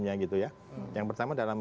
nya gitu ya yang pertama dalam